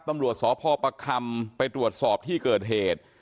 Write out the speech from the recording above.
ตำรวจสพประคำไปตรวจสอบที่เกิดเหตุ